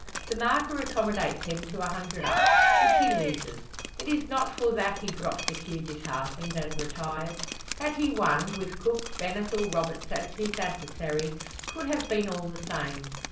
The marker accommodates him to a hundred up, which he loses. It is not for that he drops the cue disheartened, and retires. Had he won, with Cook, Bennett, or Roberts as his adversary, 'twould have been all the same.